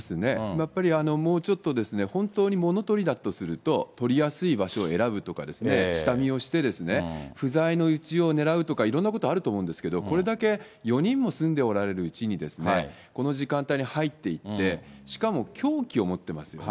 やっぱりもうちょっとですね、本当に物取りだとすると、とりやすい場所を選ぶとかですね、下見をして、不在のうちを狙うとか、いろんなこと、あると思うんですけれども、これだけ４人も住んでおられるうちにですね、この時間帯に入っていって、しかも、凶器を持ってますよね。